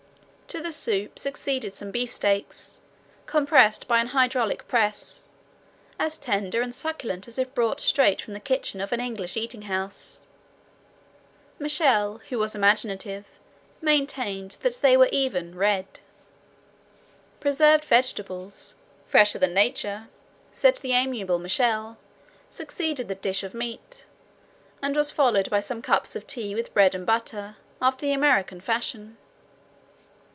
To the soup succeeded some beefsteaks, compressed by an hydraulic press, as tender and succulent as if brought straight from the kitchen of an English eating house. Michel, who was imaginative, maintained that they were even "red." Preserved vegetables ("fresher than nature," said the amiable Michel) succeeded the dish of meat; and was followed by some cups of tea with bread and butter, after the American fashion.